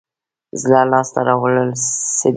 زړه لاس ته راوړل څه دي؟